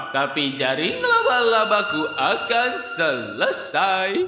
tapi jaring laba labaku akan selesai